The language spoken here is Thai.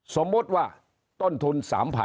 สมมุติว่าต้นทุน๓๐๐๐